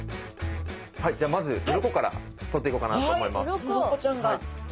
はいじゃあまず鱗から取っていこうかなと思います。